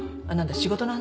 仕事の話？